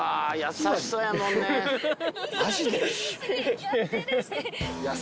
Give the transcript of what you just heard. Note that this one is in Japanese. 優しそうやもんね。